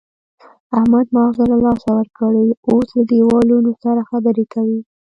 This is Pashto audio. احمد ماغزه له لاسه ورکړي، اوس له دېوالونو سره خبرې کوي.